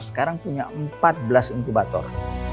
sekarang punya empat belas inkubator